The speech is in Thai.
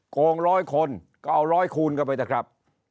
โกง๑๐๐คนก็เอา๑๐๐คูณเข้าไปเถอะครับ